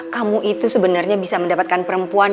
kamu itu sebenarnya bisa mendapatkan perempuan